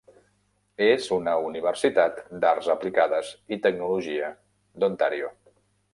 És una universitat d'arts aplicades i tecnologia d'Ontario.